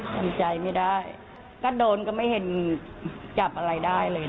ทำใจไม่ได้ก็โดนก็ไม่เห็นจับอะไรได้เลย